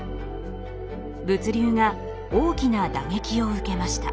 物流が大きな打撃を受けました。